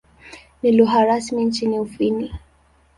Ni lugha rasmi nchini Ufini.